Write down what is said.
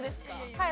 はい。